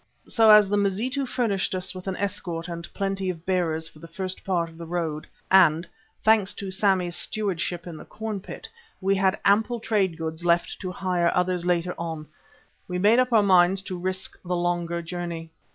So as the Mazitu furnished us with an escort and plenty of bearers for the first part of the road and, thanks to Sammy's stewardship in the corn pit, we had ample trade goods left to hire others later on, we made up our minds to risk the longer journey.